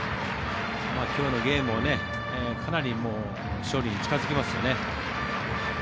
今日のゲームもかなり勝利に近付きますよね。